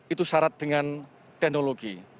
itu syarat dengan teknologi